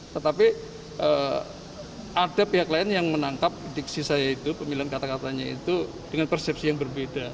tetapi ada pihak lain yang menangkap diksi saya itu pemilihan kata katanya itu dengan persepsi yang berbeda